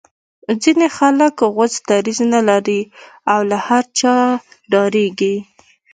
ځینې خلک غوڅ دریځ نه لري او له هر چا ډاریږي